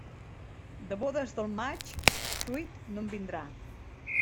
De bodes del maig, fruit no en vindrà.